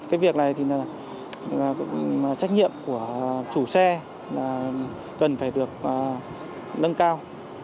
cái việc này trách nhiệm của chủ xe là cần phải được nâng cao